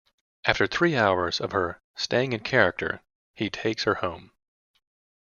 After three hours of her "staying in character", he takes her home.